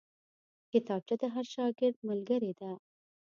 کتابچه د هر شاګرد ملګرې ده